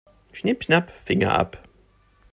Schnipp-schnapp, Finger ab.